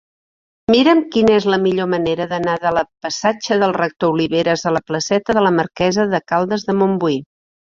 Mira'm quina és la millor manera d'anar de la passatge del Rector Oliveras a la placeta de la Marquesa de Caldes de Montbui.